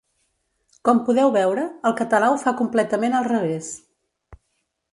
Com podeu veure, el català ho fa completament al revés.